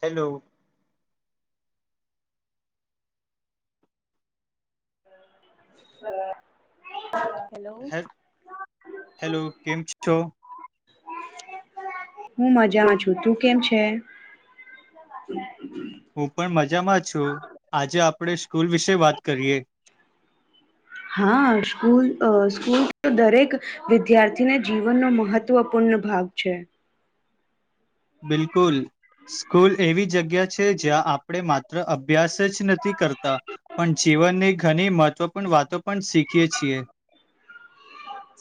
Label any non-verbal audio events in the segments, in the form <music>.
Hello હ હ hello કેમ છો હું મજામાં છું તું કેમ છે હું પણ મજામાં છું આજે આપણે સ્કૂલ વિશે વાત કરીએ હા સ્કૂલ સ્કૂલ તો દરેક વિદ્યાર્થીને જીવનનો મહત્વપૂર્ણ ભાગ છે બિલકુલ સ્કૂલ એવી જગ્યા છે જ્યાં આપણે માત્ર અભ્યાસ જ નથી કરતા પણ જીવનની ઘણી મહત્વપૂર્ણ વાતો પણ શીખીએ છીએ.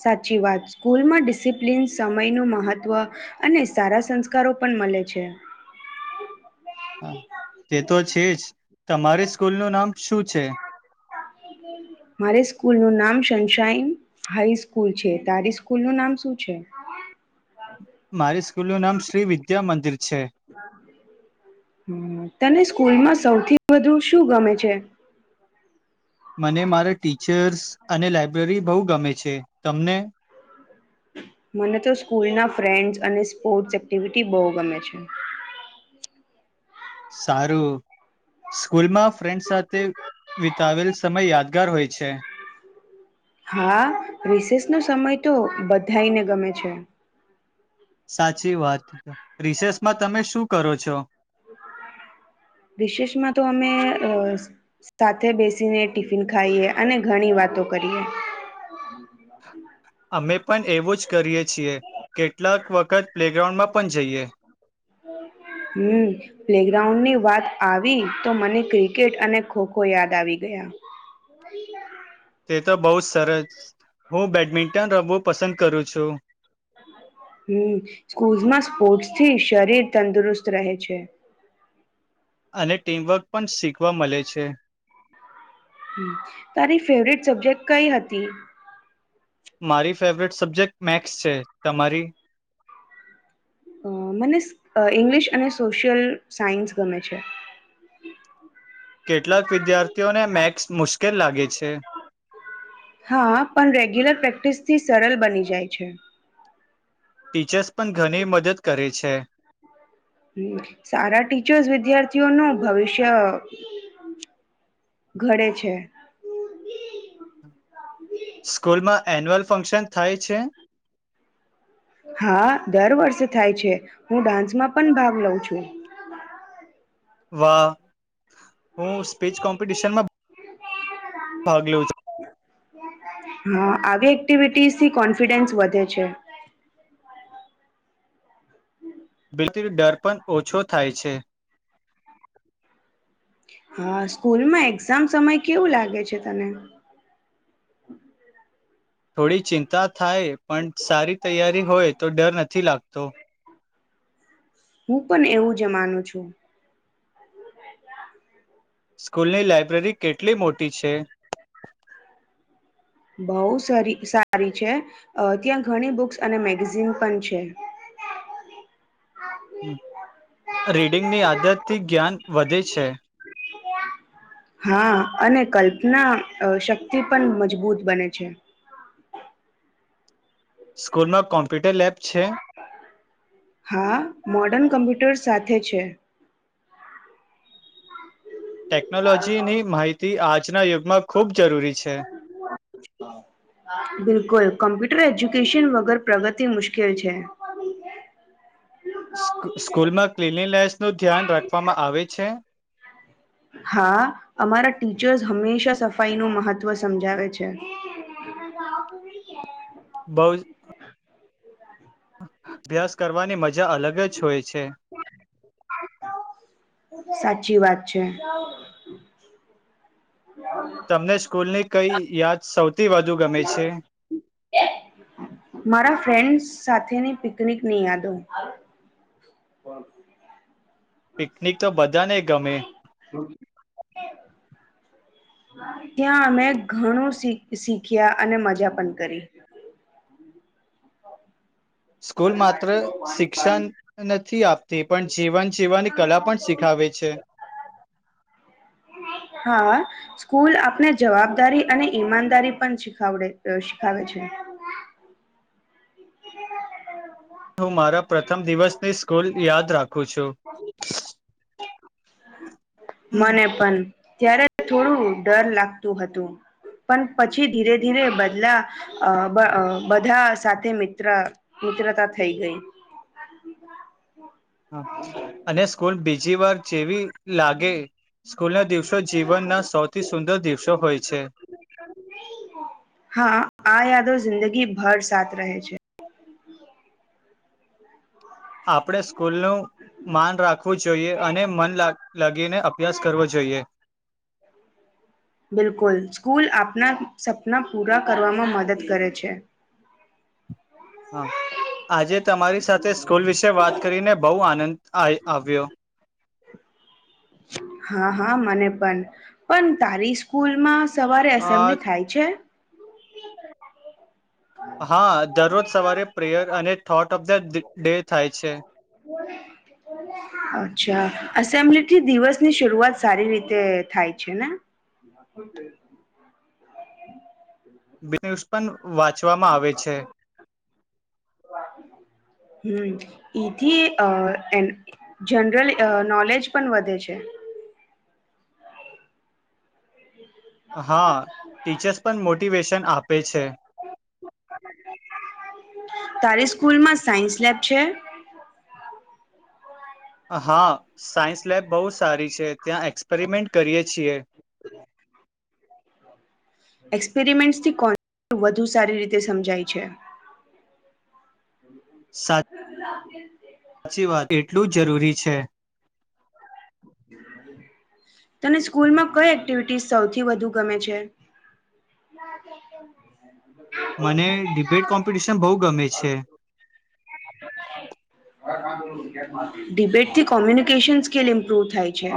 સાચી વાત સ્કૂલમાં ડિ ડિસિપ્લિન સમયનું મહત્ત્વ અને સારા સંસ્કારો પણ મળે છે હા તે તો છે જ તમારી સ્કૂલનું નામ શું છે મારે સ્કૂલનું નામ શનશાઈન હાઈસ્કૂલ છે તારી સ્કૂલનું નામ શું છે મારી સ્કૂલ નું નામ શ્રી વિદ્યા મંદિર છે હમ તને સ્કૂલમાં સૌથી વધુ શું ગમે છે મને મારા ટીચર્સ અને લાયબ્રેરી બહુ ગમે છે તમને મને તો સ્કૂલના ફ્રેન્ડ્સ અને સ્પોર્ટ્સ એક્ટિવિટી બહુ ગમે છે સારું સ્કૂલમાં ફ્રેન્ડ સાથે વિતાવેલ સમય યાદગાર હોય છે હા વિશેષ નો સમય તો બધાઈને ગમે છે સાચી વાત રિસેસમાં તમે શું કરો છો વિશેષમાં તો અમે સાથે બેસીને ટિફિન ખાઈએ અને ઘણી વાતો કરીએ હ અમે પણ એવું જ કરીએ છીએ કેટલાક વખત પ્લેગ્રાઉન્ડમાં પણ જઈએ હમ. પ્લેગ્રાઉન્ડ ની વાત આવી તો મને ક્રિકેટ અને ખો ખો યાદ આવી ગયા. <unintelligible> તે તો બહુ જ સરસ હું બેડમિન્ટન રમવું પસંદ કરું છું. હમ્મ સ્કૂલ માં સ્પોર્ટ્સથી શરીર તંદુરસ્ત રહે છે. અને ટીમવર્ક પણ શીખવા મળે છે. તારી ફેવટ સબ્જેક્ટ કઈ હતી? મારી ફેવરીટ સબ્જેક્ટ મેસ્થ છે. તમારી? અ મને ઇંગ્લિશ, અને સોશિયલ, સાયન્સ ગમે છે. કેટલાંક વિદ્યાર્થીઓને મેથ્સ મુશ્કેલ લાગે છે. હા પણ રેગ્યુલર પ્રેક્ટિસ થી સરળ બની જાય છે. ટીચર્સ પણ ઘણી મદદ કરે છે. છે. હમ સારા ટીચર્સ વિદ્યાર્થીઓનું ભવિષ્ય ઘડે છે. સ્કૂલ માં એન્યુઅલ ફંક્શન થાય છે. હા દર વર્ષે થાય છે. હું ડાન્સમાં પણ ભાગ લઉ છું. વાહ‌. હું સ્પીચ કોમ્પિટિશન માં ભાગ લેઉ છું. હા, આવી એક્ટિવિટીઝ થી કોન્ફિડન્સ વધે છે. બિક ને. ડર પણ ઓછો થાય છે. હા સ્કૂલમાં એક્ઝામ સમય કેવું લાગે છે. તને થોડી ચિંતા. થાય પણ સારી તૈયારી હોય તો ડર નથી. નથી લાગતો. હું પણ એવું જ માનું છું. સ્કૂલની લાાયબ્રેરી કેટલી મોટી છે. બહુ સારી છે. ત્યાં ઘણી બુક્સ અને મેગઝિન પણ છે. <unintelligible> રીડિંગ ની આદત થી જ્ઞાન વધે છે. હા અને કલ્પના શક્તિ પણ મજબૂત બને છે. સ્કોર માં કોણ. હા, મોર્ડન કમ્પ્યુટર્સ. સાથે છે. ટેકનોલોજી ની માહિતી આજના યુગમાં ખૂબ જરૂરી છે. બિલકુલ કમ્પ્યુટર એજ્યુકેશન વગર પ્રગતિ મુશ્કેલ છે. સ્કૂલમાં ક્લિનિંગ લે નું ધ્યાન રાખવામાં આવે છે. હા. અમારા ટીચર્સ હંમેશા સફાઈ નું મહત્વ સમજાવે છે. બહુ અભ્યાસ કરવાની મજા. મજા અલગ જ હોય છે. સાચી વાત છે. તમને સ્કૂલની કઈ યાદ સૌથી વધુ ગમે છે. <inaudible> મારા ફ્રેન્ડ્સ સાથેની પિકનિકની યાદો પિકનિક તો બધાને ગમે <inaudible> ત્યાં અમે ઘણું શીખ્યા અને મજા પણ કરી સ્કૂલ માત્ર શિક્ષણ નથી આપતી પણ જીવન જીવવાની કલા પણ શીખાવે છે હા સ્કૂલ આપને જવાબદારી અને ઈમાનદારી પણ શીખડે શીખાવે છે <inaudible> હું મારા પ્રથમ દિવસની સ્કૂલ યાદ રાખું <inaudible> <inaudible> મને છું પણ ત્યારે થોડું ડર લાગતું હતું પણ પછી ધીરે ધીરે બદલા બધા સાથે મિત્ર મિત્રતા થઈ ગઈ હા અને સ્કૂલ બી બીજી વાર જેવી લાગે સ્કૂલના દિવસો જીવનના સૌથી સુંદર દિવસો હોય છે હા આ યાદો જિંદગીભર સાથ રહે છે આપણે સ્કૂલ નું માન રાખવું છે જોઈએ અને મન લાગીને અભ્યાસ કરવો જોઈએ બિલકુલ સ્કૂલ આપના સપના પૂરા કરવામાં મદદ કરે છે હા આજે તમારી સાથે સ્કૂલ વિશે વાત કરીને બહુ આનંદ આવ્યો હા હા મને પણ પણ તારી સ્કૂલ માં સવારે અ એસેમ્બલી થાય છે <inaudible> હા દરરોજ સવારે પ્રેયર અને થોટ ઓફ ધ ડે થાય છે અચ્છા અસેમ્બ્લી થી દિવસની શરૂઆત સારી રીતે થાય છે ને બનસ પણ વાંચવામાં આવે છે હમ એથી જનરલ નોલેજ પણ વધે છે હા ટીચર્સ પણ મોટ મોટિવેશન આપે છે તારી સ્કૂલમાં સાયન્સ લેબ છે હા સાયન્સ લેબ બહુ સારી છે ત્યાં એક્સપેરિમેન્ટ કરીએ છીએ એક્સપેરિમેન્ટ્સથી કોન્સે વધુ સારી રીતે સમજાય છે <inaudible> સાચી વાત એટલું જ જરૂરી છે તને સ્કૂલમાં કઈ એક્ટિવિટી સૌથી વધુ ગમે છે મને ડિબેટ કોમ્પિટિશન બહુ ગમે છે ડિબેટથી કોમ્યુનિકેશન સ્કીલ ઇમ્પ્રુવ થાય છે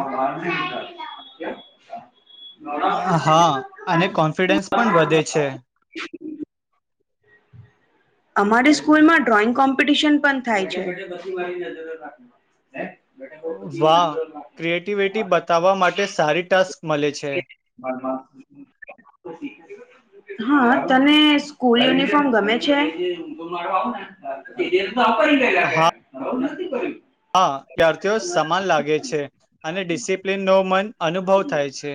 હા! અને કોન્ફિડન્સ પણ વધે છે. અમારી સ્કૂલ માં ડ્રોઈંગ કોમ્પિટિશન પણ થાય છે. વાહ! ક્રિએટિવિટી બતાવવા માટે સારી ટાસ્ક મલે છે. હા તને સ્કૂલ યુનિફોર્મ ગમે છે? જે ભણવામાં પિરિયડ વાપરી હા ગયેલા બરોબર નથી <unintelligible> હ <unintelligible> હા! યાર્થીઓ સમાન લાગે છે અને ડિસિપ્લિન નો મન અનુભવ થાય છે.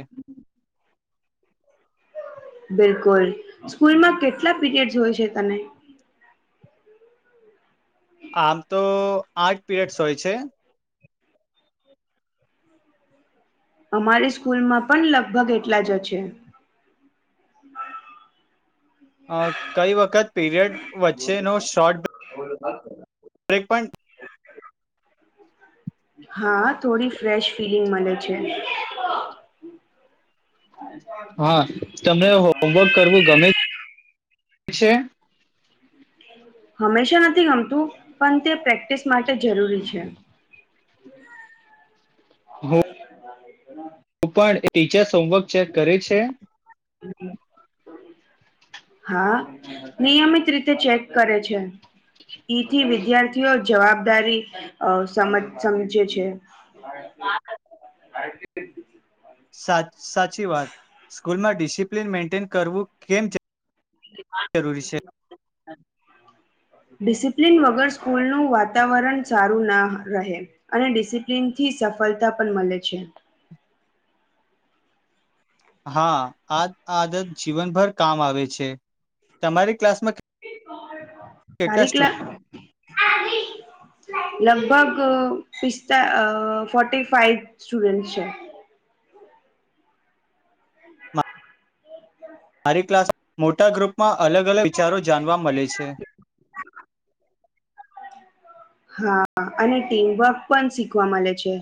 બિલકુલ સ્કૂલમાં કેટલા પીરયડસ હોય છે તને? આમ તો આઠ પીરયડ્સ હોય છે. અમારી સ્કૂલમાં પણ લગભગ એટલા જ છે. અ કઈ વખત પીરિયડ વચ્ચેનો શોર્ટ બ્રેક પણ હા! થોડી ફ્રેશ ફિલિંગ મલે છે. હા! તમને હોમવર્ક કરવું ગમે? છે? હંમેશા નથી ગમતું પણ તે પ્રેક્ટિસ માટે જરૂરી છે. હું હ <unintelligible> પણ ટીચર્સ હોમવર્ક ચેક કરે છે? હા! નિયમિત રીતે ચેક કરે છે. ઈથી વિદ્યાર્થીઓ જવાબદારી અ સમજ સમજે છે. સાત સાચી વાત સ્કૂલમાં ડી ડિસિપ્લન મેઇન્ટેન કરવું કેમ જરૂરી છે. ડિસિપ્લિન વગર સ્કૂલનું વાતાવરણ સારું ના રહે અને ડિસિપ્લિનથી સફળતા પણ મલે છે. હા! આ આદત જીવનભર કામ આવે છે. તમારી ક્લાસમાં એ <unintelligible> કેટલા તારીખ સ્ટુડ લગભગ પિસ્તા અ ફોર્ટી ફાઈવ સ્ટુડન્ટ્સ છે. મારી ક્લાસ મોટા ગ્રુપમાં અલગ-અલગ વિચારો જાણવા મલે છે. હા! અને ટીમવર્ક પણ શીખવા મલે છે.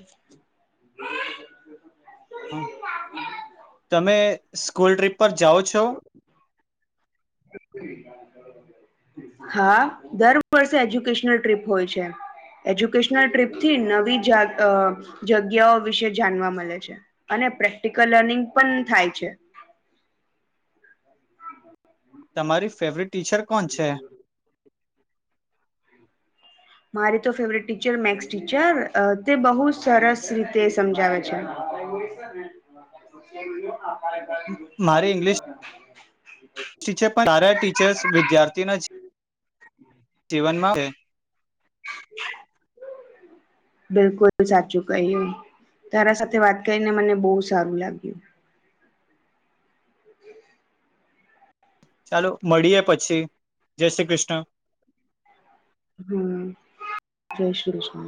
તમે સ્કૂલ ટ્રિપ પર જાઓ છો હા દર વર્ષે એજ્યુકેશનલ ટ્રીપ હોય છે એજ્યુકેશનલ ટ્રીપ થી નવી જગ્યાઓ વિશે જાણવા મળે છે અને પ્રેક્ટિકલ લર્નિંગ પણ થાય છે તમારી ફેવરિટ ટીચર કોણ છે મારી તો ફેવરેટ ટીચર મેક્સ ટીચર તે બહુ સરસ રીતે સમજાવે છે <inaudible> મારે ઇંગ્લિશ પણ તારા ટીચર્સ વિદ્યાર્થીના જીવનમાં છે બિલકુલ સાચું કહ્યું તારા સાથે વાત કરીને મને બહુ સારું લાગ્યું ચાલો મળીએે પછી જય શ્રી કૃષ્ણ હમ જઈશ છે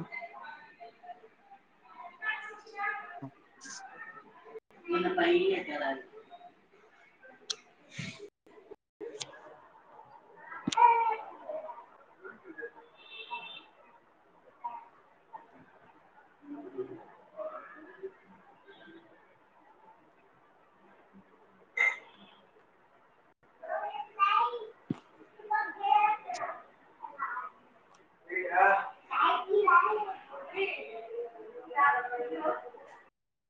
મ પૈ અ જવા <inaudible> <inaudible> <inaudible>